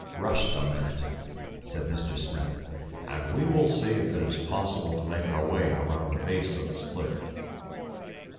"Rest a minute," said Mr. Smith, "and we will see if it is possible to make our way around the base of this cliff."